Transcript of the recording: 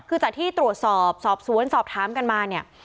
คือจากที่ตรวจสอบสอบสวนสอบถามกันมาเนี่ย